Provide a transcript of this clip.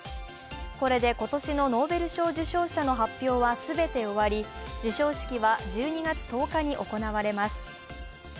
これで今年のノーベル賞受賞者の発表は全て終わり、授賞式は１２月１０日に行われます。